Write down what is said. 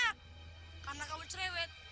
kamu kira kira ludah edisonileen